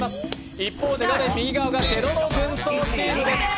一方で画面右側が「ケロロ軍曹」チームです。